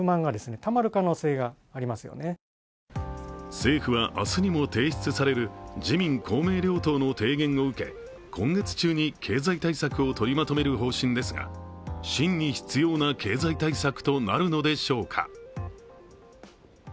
政府は明日にも提出される自民・公明両党の提言を受け、今月中に経済対策を取りまとめる方針ですが真に必要な経済対策となるのでしょうか。